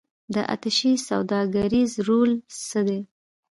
د اتشې سوداګریز رول څه دی؟